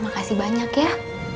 makasih banyak ya